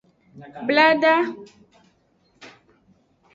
Blada.